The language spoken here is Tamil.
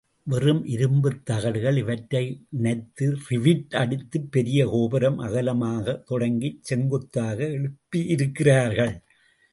வெறும் இரும்புத் தகடுகள் இவற்றை இணைத்து ரிவிட் அடித்துப் பெரிய கோபுரம் அகலமாகத் தொடங்கிச் செங்குத்தாக எழுப்பி இருக்கிறார்கள்.